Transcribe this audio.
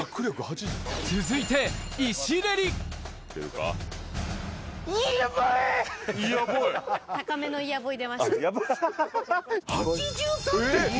続いて８３．９！